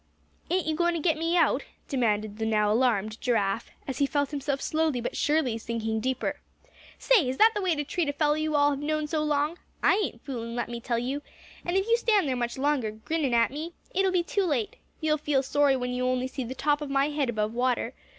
"Ain't you goin' to get me out?" demanded the now alarmed Giraffe, as he felt himself slowly but surely sinking deeper. "Say, is that the way to treat a fellow you all have known so long? I ain't foolin', let me tell you. And if you stand there much longer, grinnin' at me, it'll be too late! You'll feel sorry when you only see the top of my head above water.